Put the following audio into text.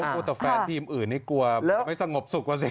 พูดแต่แฟนทีมอื่นนี่กลัวไม่สงบสุขกว่าสิ